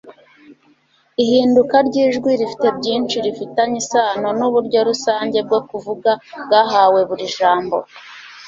Ihinduka ryijwi rifite byinshi rifitanye isano nuburyo rusange bwo kuvuga bwahawe buri jambo